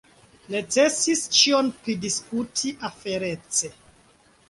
Necesis ĉion pridiskuti aferece.